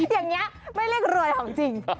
อย่างนี้ไม่เรียกรวยของจริง